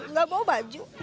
nggak bawa baju